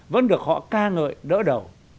vẫn được họ ca ngợi đỡ đầu